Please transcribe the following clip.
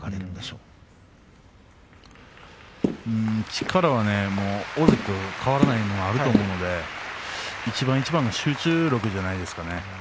うん力は大関と変わらないものがあると思うので一番一番の集中力じゃないですかね。